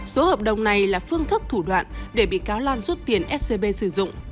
số hợp đồng này là phương thức thủ đoạn để bị cáo lan rút tiền scb sử dụng